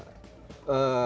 dari bawah pun leleh